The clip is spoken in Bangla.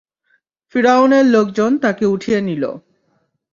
ফিরআউনের লোকজন তাকে উঠিয়ে নিল।